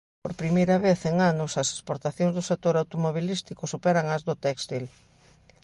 Por "primeira vez" en anos as exportacións do sector automobilístico superan ás do téxtil.